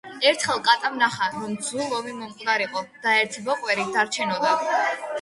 ერთხელ კატამ ნახა, რომ ძუ ლომი მომკვდარიყო და ერთი ბოკვერი დარჩენოდა.